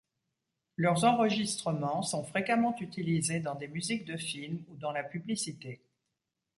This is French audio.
Leurs enregistrements sont fréquemment utilisés dans des musiques de film ou dans la publicité.